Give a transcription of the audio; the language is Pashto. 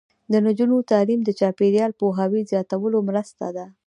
د نجونو تعلیم د چاپیریال پوهاوي زیاتولو مرسته ده.